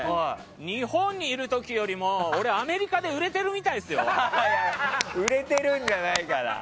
日本にいる時よりも俺、アメリカでいやいや売れてるんじゃないから。